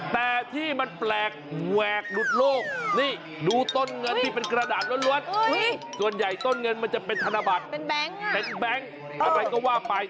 แต่ที่มันแปลกแหวกหลุดโลกนี่ดูต้นเงินที่เป็นกระดาษล้วนส่วนใหญ่ต้นเงินมันจะเป็นธนบัตรเป็นแบงค์อะไรก็ว่าไป